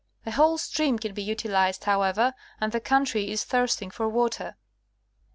The whole stream can be utilized, however, and the country is thirsting for water.